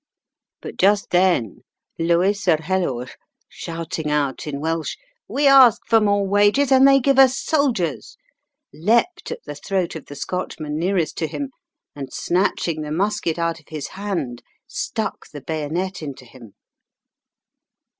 But just then Lewis yr Helwyr, shouting out in Welsh, 'We ask for more wages and they give us soldiers,' leaped at the throat of the Scotchman nearest to him, and snatching the musket out of his hand, stuck the bayonet into him.